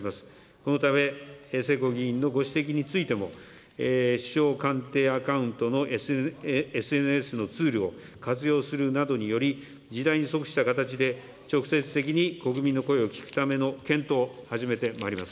このため、世耕議員のご指摘についても、首相官邸アカウントのＳＮＳのツールを活用するなどにより、時代に即した形で、直接的に国民の声を聞くための検討を始めてまいります。